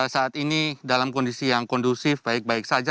saat ini dalam kondisi yang kondusif baik baik saja